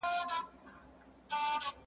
زه اوس سبزیجات وخورم،